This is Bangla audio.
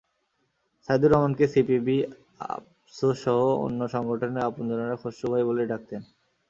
সাইদুর রহমানকে সিপিবি, আপসোসহ অন্য সংগঠনের আপনজনেরা খসরু ভাই বলেই ডাকতেন।